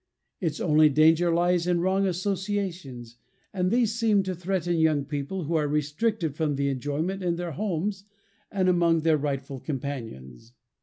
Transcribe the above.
Its only danger lies in wrong associations, and these seem to threaten young people who are restricted from the enjoyment in their homes and among their rightful companions.